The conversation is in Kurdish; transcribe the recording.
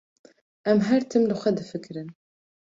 Em her tim li xwe difikirin.